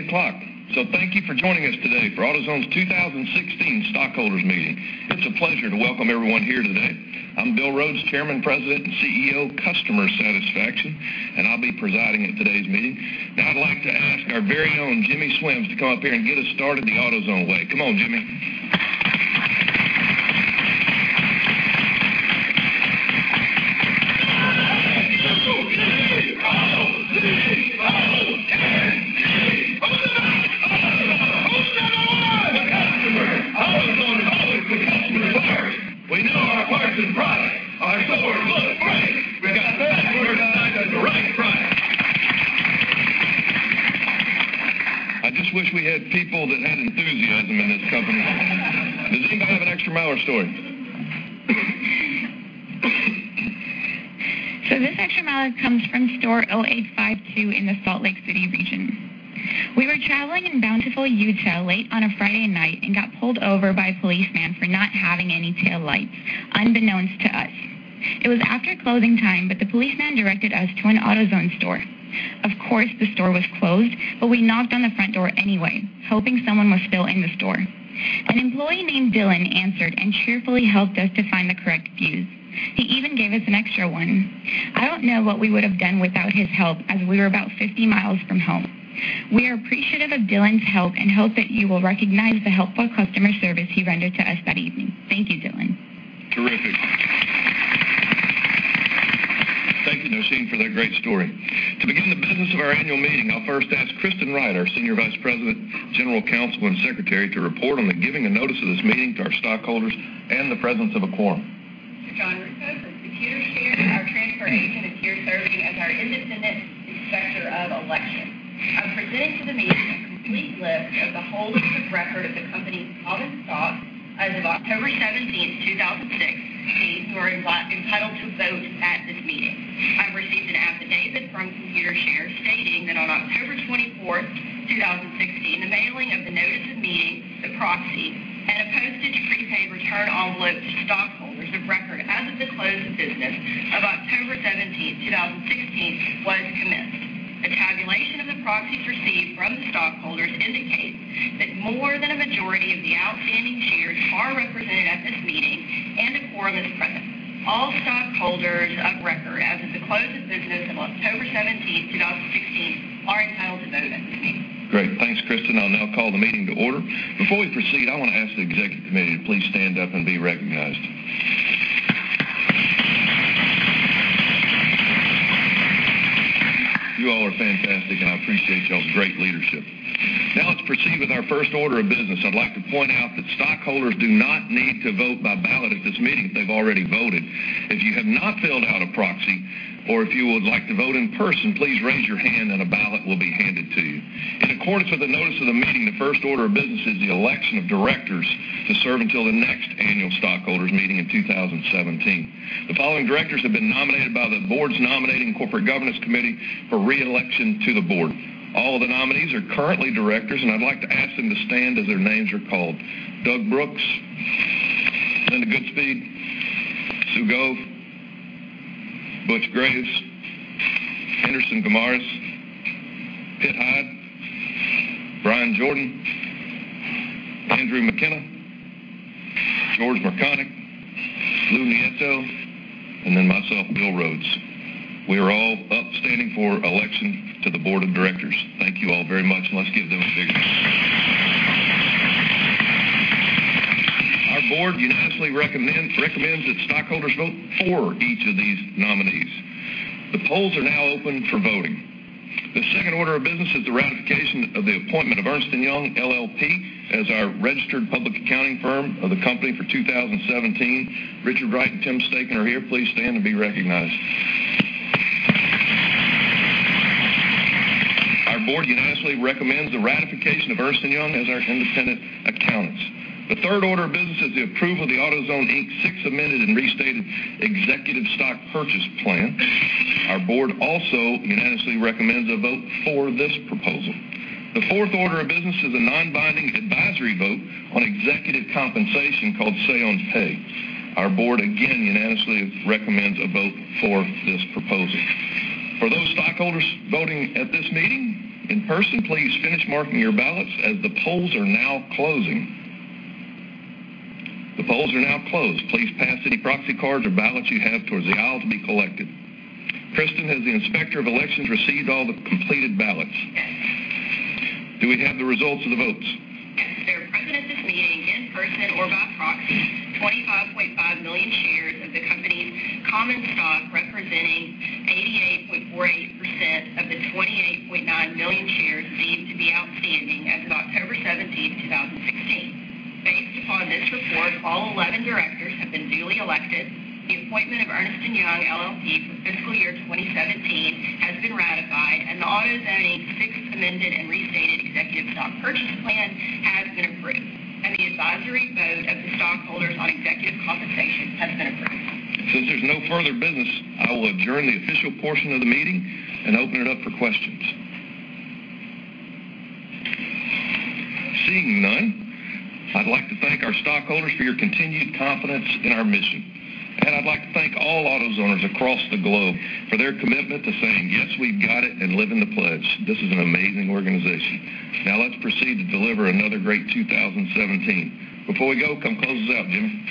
o'clock. Thank you for joining us today for AutoZone's 2016 stockholders meeting. It's a pleasure to welcome everyone here today. I'm Bill Rhodes, Chairman, President, and CEO, customer satisfaction, and I'll be presiding at today's meeting. I'd like to ask our very own Jimmy Swims to come up here and get us started the AutoZone way. Come on, Jimmy. AutoZone, AutoZone, AutoZone. The customer. AutoZone is always put customers first. We know our parts and price. Our stores look great. We've got fast, friendly service at the right price. I just wish we had people that had enthusiasm in this company. Does anybody have an extra mile or story? This extra mile comes from store 0852 in the Salt Lake City region. We were traveling in Bountiful, Utah late on a Friday night and got pulled over by a policeman for not having any tail lights, unbeknownst to us. It was after closing time. The policeman directed us to an AutoZone store. Of course, the store was closed. We knocked on the front door anyway, hoping someone was still in the store. An employee named Dylan answered and cheerfully helped us to find the correct fuse. He even gave us an extra one. I don't know what we would've done without his help as we were about 50 miles from home. We are appreciative of Dylan's help and hope that you will recognize the helpful customer service he rendered to us that evening. Thank you, Dylan. Terrific. Thank you, Nosheen, for that great story. To begin the business of our annual meeting, I'll first ask Kristen Wright, our Senior Vice President, General Counsel, and Secretary, to report on the giving a notice of this meeting to our stockholders and the presence of a quorum. John Russo from Computershare, our transfer agent, is here serving as our independent inspector of elections. I'm presenting to the meeting a complete list of the holders of record of the company's common stock as of October 17th, 2016, who are entitled to vote at this meeting. I've received an affidavit from Computershare stating that on October 24th, 2016, the mailing of the notice of meeting, the proxy, and a postage prepaid return envelope to stockholders of record as of the close of business of October 17th, 2016, was commenced. A tabulation of the proxies received from the stockholders indicates that more than a majority of the outstanding shares are represented at this meeting and a quorum is present. All stockholders of record as of the close of business on October 17th, 2016, are entitled to vote at this meeting. Great. Thanks, Kristen. I'll now call the meeting to order. Before we proceed, I want to ask the executive committee to please stand up and be recognized. You all are fantastic, and I appreciate y'all's great leadership. Let's proceed with our first order of business. I'd like to point out that stockholders do not need to vote by ballot at this meeting if they've already voted. If you have not filled out a proxy or if you would like to vote in person, please raise your hand and a ballot will be handed to you. In accordance with the notice of the meeting, the first order of business is the election of directors to serve until the next annual stockholders meeting in 2017. The following directors have been nominated by the board's nominating corporate governance committee for re-election to the board. All the nominees are currently directors. I'd like to ask them to stand as their names are called. Doug Brooks, Linda Goodspeed, Sue Gove, Butch Graves, Enderson Guimaraes, Pitt Hyde, Brian Jordan, Andrew McKenna, George Mrkonic, Lou Nieto, myself, Bill Rhodes. We are all up standing for election to the board of directors. Thank you all very much. Let's give them a big round. Our board unanimously recommends that stockholders vote for each of these nominees. The polls are now open for voting. The second order of business is the ratification of the appointment of Ernst & Young LLP as our registered public accounting firm of the company for 2017. Richard Wright and Tim Staehlin are here. Please stand and be recognized. Our board unanimously recommends the ratification of Ernst & Young as our independent accountants. The third order of business is the approval of the AutoZone Inc. Sixth Amended and Restated Executive Stock Purchase Plan. Our board also unanimously recommends a vote for this proposal. The fourth order of business is a non-binding advisory vote on executive compensation called Say on Pay. Our board, again, unanimously recommends a vote for this proposal. For those stockholders voting at this meeting in person, please finish marking your ballots as the polls are now closing. The polls are now closed. Please pass any proxy cards or ballots you have towards the aisle to be collected. Kristen, has the Inspector of Elections received all the completed ballots? Yes. Do we have the results of the votes? Yes. There are present at this meeting in person or by proxy 25.5 million shares of the company's common stock, representing 88.48% of the 28.9 million shares deemed to be outstanding as of October 17th, 2016. Based upon this report, all 11 directors have been duly elected, the appointment of Ernst & Young LLP for fiscal year 2017 has been ratified, and the AutoZone Inc. Sixth Amended and Restated Executive Stock Purchase Plan has been approved, and the advisory vote of the stockholders on executive compensation has been approved. Since there's no further business, I will adjourn the official portion of the meeting and open it up for questions. Seeing none, I'd like to thank our stockholders for your continued confidence in our mission. I'd like to thank all AutoZoners across the globe for their commitment to saying, "Yes, we've got it," and living the pledge. This is an amazing organization. Now let's proceed to deliver another great 2017. Before we go, come close us out, Jimmy.